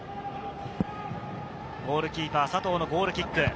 ゴールキーパー・佐藤のゴールキック。